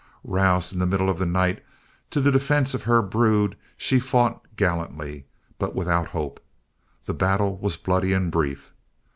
Roused in the middle of the night to the defense of her brood, she fought gallantly, but without hope. The battle was bloody and brief.